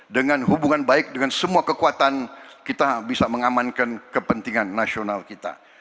dengan hubungan baik dengan semua kekuatan kita bisa mengamankan kepentingan nasional kita